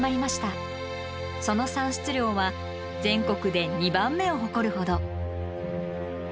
その産出量は全国で２番目を誇るほど。